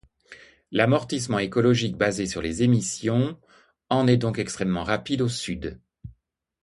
L'amortissement écologique basé sur les émissions en est donc extrêmement rapide au sud.